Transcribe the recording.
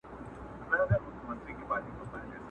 o پردی سپى، په ډوډۍ خپل!